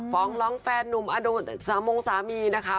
ฟ้องร้องแฟนนุ่มอดุสามงสามีนะคะ